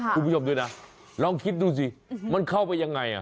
คุณผู้ชมด้วยนะลองคิดดูสิมันเข้าไปยังไง